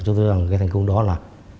cho rằng cái thành công đó là